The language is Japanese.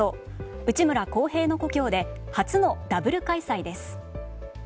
内村航平の故郷で初のダブル開催です。